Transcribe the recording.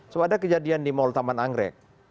coba ada kejadian di mall taman anggrek